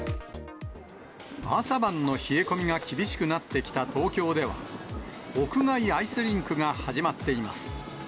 朝晩の冷え込みが厳しくなってきた東京では、屋外アイスリンクが始まっています。